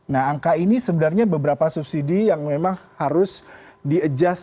nah angka ini sebenarnya beberapa subsidi yang memang harus di adjust